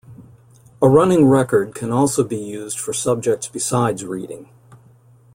A running record can also be used for subjects besides reading.